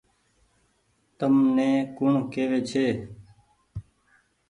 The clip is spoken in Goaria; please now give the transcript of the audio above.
تم ني ڪوڻ ڪيوي ڇي ۔